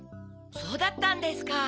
そうだったんですか。